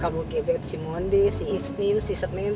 kamu gebet si mondi si isnin si senin